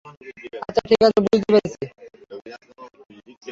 আচ্ছা ঠিক আছে, বুঝতে পেরেছি!